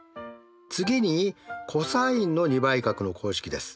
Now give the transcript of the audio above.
次にコサインの２倍角の公式です。